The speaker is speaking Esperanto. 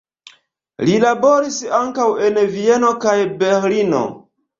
Li laboris ankaŭ en Vieno kaj Berlino.